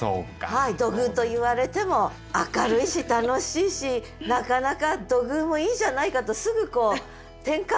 はい「土偶」と言われても明るいし楽しいしなかなか土偶もいいじゃないかとすぐこう転換できる。